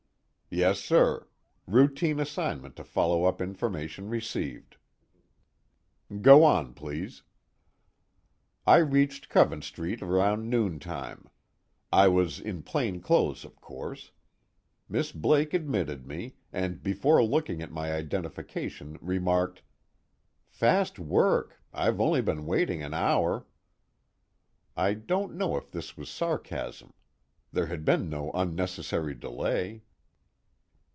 "Yes, sir. Routine assignment to follow up information received." "Go on, please." "I reached Covent Street around noontime. I was in plain clothes of course. Miss Blake admitted me, and before looking at my identification remarked: 'Fast work! I've only been waiting an hour.' I don't know if this was sarcasm. There had been no unnecessary delay."